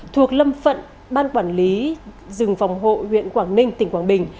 thuộc lâm phận ban quản lý rừng phòng hộ huyện quảng ninh tỉnh quảng bình